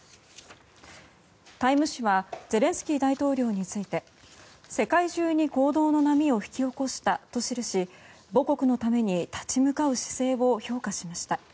「タイム」誌はゼレンスキー大統領について世界中に行動の波を引き起こしたと記し母国のために立ち向かう姿勢を評価しました。